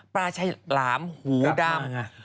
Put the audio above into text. ปลาชัยหลามหูดำ